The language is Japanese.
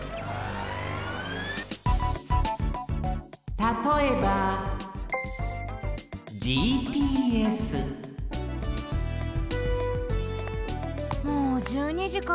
たとえばもう１２じか。